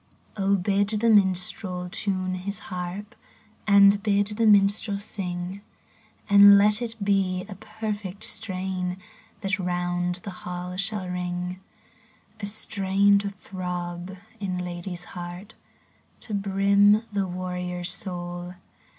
BID the minstrel tune his haxp, And bid the minstrel sing; And let it be a perfect strain That round the hall shall ring : A strain to throb in lad/s heart, To brim the warrior's soul.